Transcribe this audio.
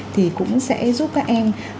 thì cũng sẽ giúp các em